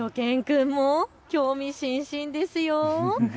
しゅと犬くんも興味津々ですよ。